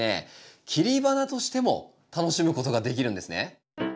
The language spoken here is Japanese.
切り花としても楽しむことができるんですね。